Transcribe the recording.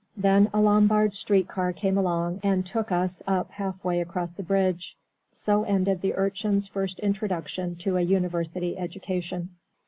Then a Lombard Street car came along and took us up halfway across the bridge. So ended the Urchin's first introduction to a university education.